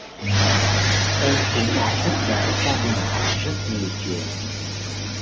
Em cũng đã giúp đỡ gia đình anh rất nhiều chuyện